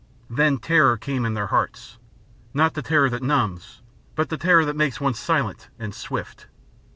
Then terror came in their hearts, not the terror that numbs, but the terror that makes one silent and swift.